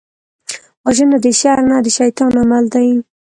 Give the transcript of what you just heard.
وژنه د شر نه، د شيطان عمل دی